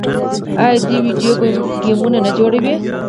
آیا دوی ویډیو ګیمونه نه جوړوي؟